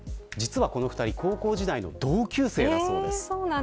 この２人は高校時代の同級生だそうです。